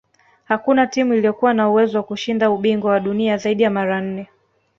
hakuna timu iliyokuwa na uwezo wa kushinda ubingwa wa dunia zaidi ya mara nne